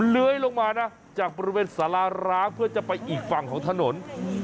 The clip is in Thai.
เลื้อยลงมานะจากบริเวณสาราร้างเพื่อจะไปอีกฝั่งของถนน